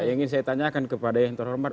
yang ingin saya tanyakan kepada yang terhormat